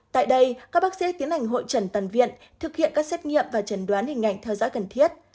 tại đây các bác sĩ tiến hành hội trần tàn viện thực hiện các xét nghiệm và trần đoán hình ảnh theo dõi cần thiết